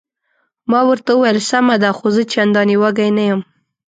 ما ورته وویل: سمه ده، خو زه چندانې وږی نه یم.